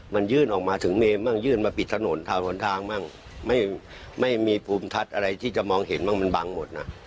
มันยื่นออกมาถึงเมนบ้างยื่นมาปิดถนนทางหนทางมั่งไม่มีภูมิทัศน์อะไรที่จะมองเห็นบ้างมันบังหมดน่ะ